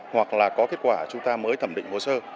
hoặc là có kết quả chúng ta mới thẩm định hồ sơ